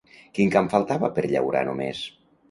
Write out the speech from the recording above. Quin camp faltava per llaurar només?